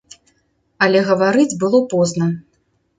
Але гаварыць было позна.